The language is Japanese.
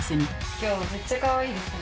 今日めっちゃかわいいですね。